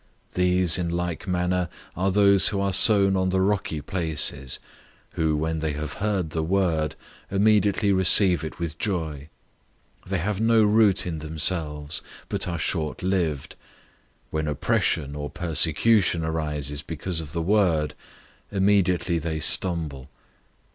004:016 These in like manner are those who are sown on the rocky places, who, when they have heard the word, immediately receive it with joy. 004:017 They have no root in themselves, but are short lived. When oppression or persecution arises because of the word, immediately they stumble.